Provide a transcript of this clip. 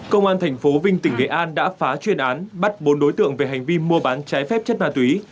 công an tp vinh tỉnh nghệ an đã phá chuyên án bắt bốn đối tượng về hành vi mua bán trái phép chất ma túy